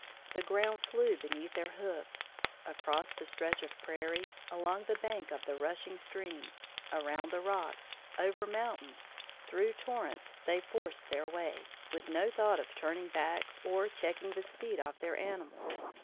The ground flew beneath their hoofs. Across the stretch of prairie, along the bank of the rushing streams, around the rocks, over mountains, through torrents, they forced their way, with no thought of turning back or checking the speed of their animals.